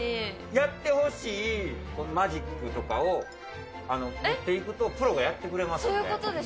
やってほしいマジックとかを持っていくと、プロがやってくれますんで。